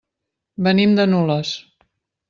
Venim de Nules.